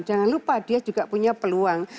jangan lupa dia juga punya peluang